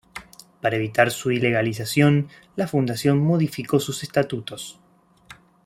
Para evitar su ilegalización la fundación modificó sus estatutos.